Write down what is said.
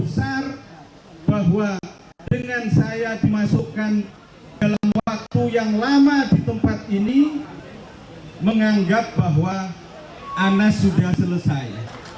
besar bahwa dengan saya dimasukkan dalam waktu yang lama di tempat ini menganggap bahwa anas sudah selesai